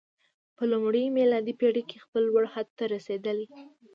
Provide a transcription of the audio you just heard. په لومړۍ میلادي پېړۍ کې خپل لوړ حد ته رسېدلی.